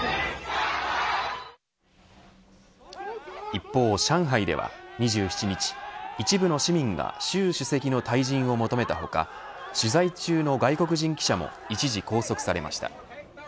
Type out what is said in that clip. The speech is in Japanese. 一方、上海では２７日一部の市民が習主席の退陣を求めた他取材中の外国人記者も一時拘束されました。